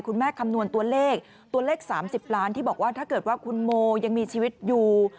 คำนวณตัวเลขตัวเลข๓๐ล้านที่บอกว่าถ้าเกิดว่าคุณโมยังมีชีวิตอยู่